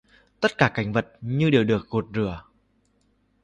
Tất cả cảnh vật như đều được gội rửa